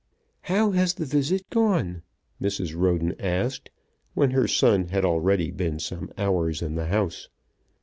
"How has the visit gone?" Mrs. Roden asked, when her son had already been some hours in the house.